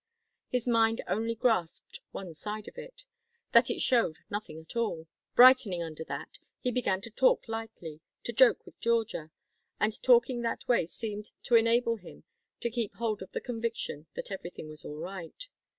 His mind only grasped one side of it that it showed nothing at all. Brightening under that he began to talk lightly, to joke with Georgia, and talking that way seemed to enable him to keep hold of the conviction that everything was all right.